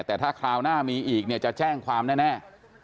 แต่ถ้าคราวหน้ามีอีกเนี่ยจะแจ้งความแน่